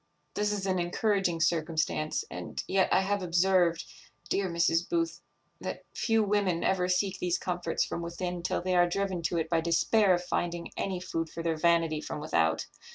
This is an encouraging circumstance; and yet I have observed, dear Mrs. Booth, that few women ever seek these comforts from within till they are driven to it by despair of finding any food for their vanity from without.